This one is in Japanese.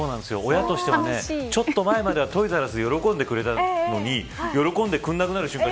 親としてもはちょっと前までトイザらス、喜んでくれたのに喜んでくれなくなる瞬間